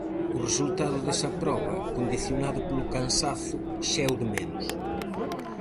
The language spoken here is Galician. O resultado desa proba, condicionado polo cansazo, xa é o de menos.